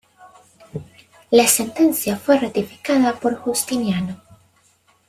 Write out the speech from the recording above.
La sentencia fue ratificada por Justiniano.